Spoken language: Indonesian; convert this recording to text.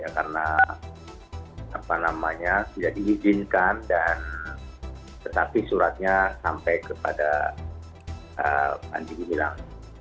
karena tidak diizinkan dan tetapi suratnya sampai kepada panji gumilang